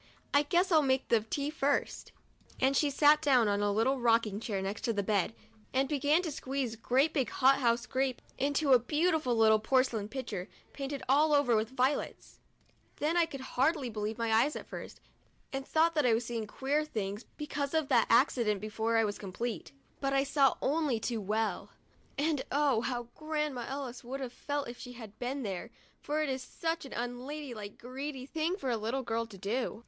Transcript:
I guess I'll make the tea first ;" and she sat down on a little rock ing chair next to the bed, and began to squeeze great big hothouse grapes into a beautiful little porcelain pitcher, painted all over with violets. Then I could 29 DIARY OF A BIRTHDAY DOLL hardly believe my eyes at first, and thought that I was seeing queer things because of that accident before I was complete; but I saw only too well. And oh, how Grandma Ellis would have felt if she had been there, for it is such an unladylike greedy thing for a little girl to do